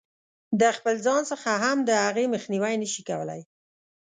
د خپل ځان څخه هم د هغې مخنیوی نه شي کولای.